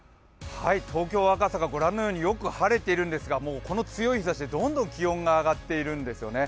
東京・赤坂、御覧のようによく晴れているんですがもうこの強い日ざしでどんどん気温が上がっているんですよね。